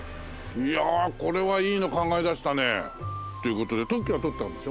いやこれはいいの考え出したね。という事で特許は取ったんでしょ？